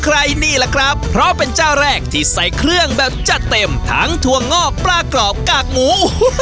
โอ้โหสิบใหญ่กับพิชน้ำลายมันเริ่มมาแล้วนะเนอะละละสองละสอง